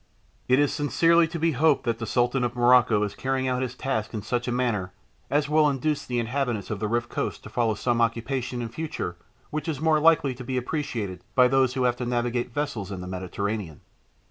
It is sincerely to be hoped that the Sultan of Morocco is carrying out his task in such a manner as will induce the inhabitants of the Riff coast to follow some occupation in future which is more likely to be appreciated by those who have to navigate vessels in the Mediterranean.